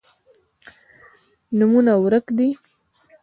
نومونه ورک دي